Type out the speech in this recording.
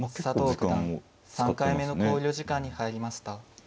佐藤九段３回目の考慮時間に入りました。